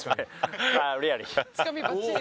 「つかみばっちり」